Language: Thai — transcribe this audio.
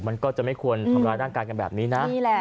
มันก็จะไม่ควรทำร้ายร่างกายกันแบบนี้นะ